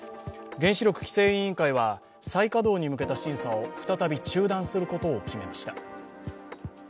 原子力規制委員会は再稼働に向けた審査を再び中断することを決めました。